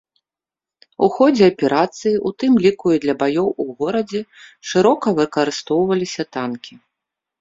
У ходзе аперацыі, у тым ліку і для баёў ў горадзе, шырока выкарыстоўваліся танкі.